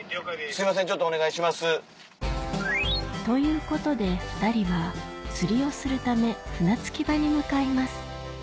すいませんお願いします。ということで２人は釣りをするため船着き場に向かいます